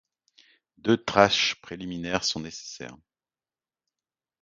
Deux tâches préliminaires sont nécessaires.